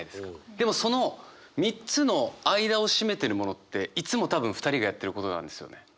でもその３つの間を占めてるものっていつも多分２人がやってることなんですよね。